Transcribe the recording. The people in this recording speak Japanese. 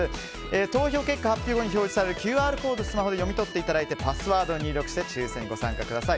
投票結果発表後に表示されるＱＲコードをスマホで読み取っていただいてパスワードを入力して抽選にご参加ください。